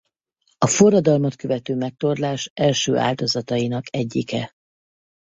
A forradalmat követő megtorlás első áldozatainak egyike.